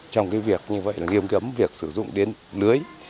trong việc nghiêm cấm việc sử dụng điện lưới